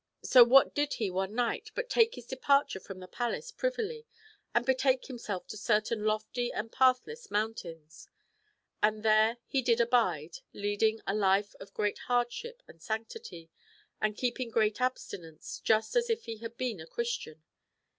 ^ So what did he one night but take his departure from the palace privilv, and betake himself to certain lofty and pathless mountains. And there he did abide, leading a life of great hardship ami sanctity, and keeping great abstinence, just as if he had been a Christian.